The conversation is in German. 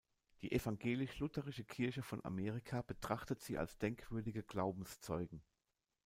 Die evangelisch-lutherische Kirche von Amerika betrachtet sie als denkwürdige Glaubenszeugen.